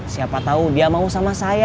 siapa tahu dia mau sama saya